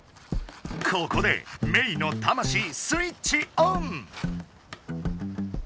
ここでメイの魂スイッチオン！